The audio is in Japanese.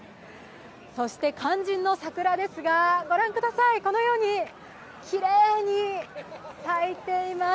そして肝心の桜ですが、御覧ください、このようにきれいに咲いています。